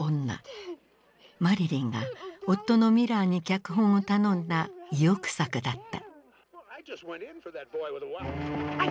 マリリンが夫のミラーに脚本を頼んだ意欲作だった。